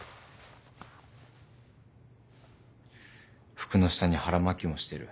服の下に腹巻きもしてる。